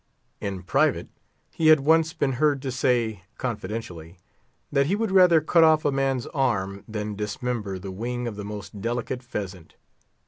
In private, he had once been heard to say, confidentially, that he would rather cut off a man's arm than dismember the wing of the most delicate pheasant.